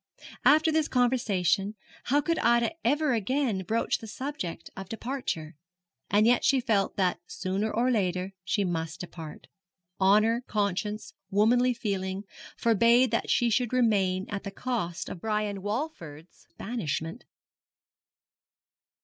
After this conversation, how could Ida ever again broach the subject of departure? and yet she felt that sooner or later she must depart. Honour, conscience, womanly feeling, forbade that she should remain at the cost of Brian Walford's banishment.